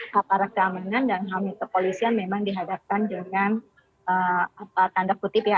kepala keamanan dan hamil kepolisian memang dihadapkan dengan tanda putih ya